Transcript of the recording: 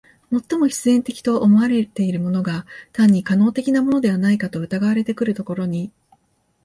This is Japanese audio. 最も必然的と思われているものが単に可能的なものではないかと疑われてくるところに、